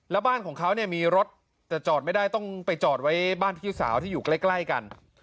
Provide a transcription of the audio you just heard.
แล้วบ้านของเขาเนี่ยมีรถแต่จอดไม่ได้ต้องไปจอดไว้บ้านพี่สาวที่อยู่ใกล้กัน